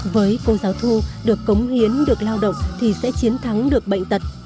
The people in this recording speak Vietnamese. với cô giáo thu được cống hiến được lao động thì sẽ chiến thắng được bệnh tật